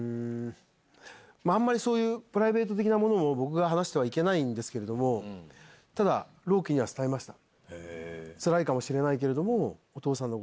あんまりプライベート的なものを僕が話してはいけないですけどただ朗希には伝えました。